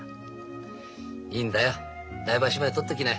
いいんだよ来場所まで取っときなよ。